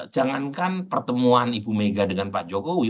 jangankan pertemuan ibu mega dengan pak jokowi